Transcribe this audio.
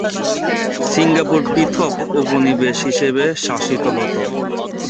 Singapore পৃথক উপনিবেশ হিসেবে শাসিত হত।